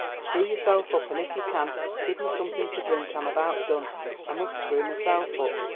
Screw yourself up, and if you can, give me something to drink—I'm about done—I must screw myself up."